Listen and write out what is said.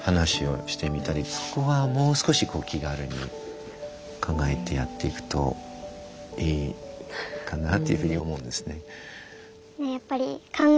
そこはもう少しこう気軽に考えてやっていくといいかなというふうに思うんですね。